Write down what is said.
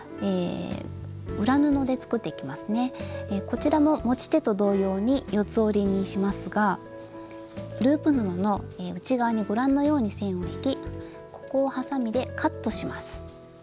こちらも持ち手と同様に四つ折りにしますがループ布の内側にご覧のように線を引きここをはさみでカットします。